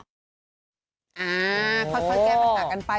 ค่อยแก้ปัญหากันไป